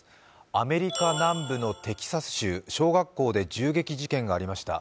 アメリカ南部のテキサス州小学校で銃撃事件がありました。